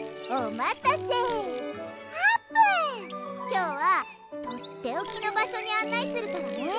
きょうはとっておきのばしょにあんないするからね。